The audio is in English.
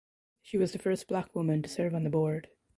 She was the first black woman to serve on the board.